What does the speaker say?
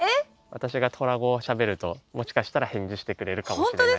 私がトラ語をしゃべるともしかしたら返事してくれるかもしれない。